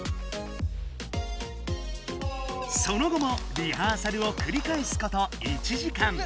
その後もリハーサルをくりかえすこと１時間。